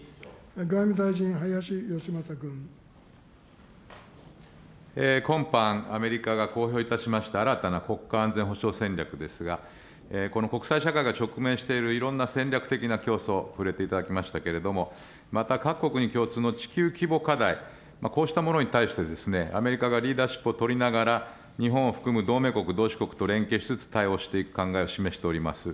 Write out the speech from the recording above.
外務大臣、今般、アメリカが公表いたしました新たな国家安全保障戦略ですが、この国際社会が直面している、いろんな戦略的な構想、触れていただきましたけれども、また各国に共通の地球規模課題、こうしたものに対して、アメリカがリーダーシップを取りながら、日本を含む同盟国、同志国と連携しつつ対応していく考えを示しております。